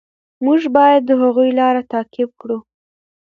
موږ باید د هغوی لاره تعقیب کړو.